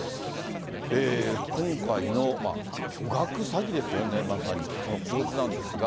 今回の巨額詐欺ですよね、まさに、その構図なんですが。